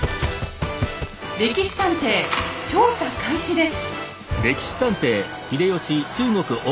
「歴史探偵」調査開始です！